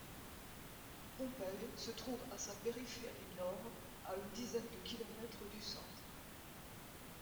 Pompey se trouve à sa périphérie nord, à une dizaine de kilomètres du centre.